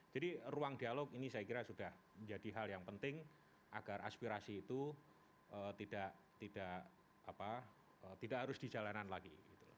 jadi ruang dialog ini saya kira sudah menjadi hal yang penting agar aspirasi itu tidak harus di jalanan lagi